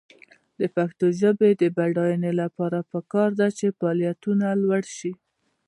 د پښتو ژبې د بډاینې لپاره پکار ده چې فعالیتونه لوړ شي.